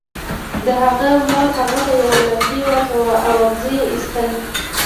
د هغه مور هغه په یوه لرګي واچاو او اغزي یې ایستل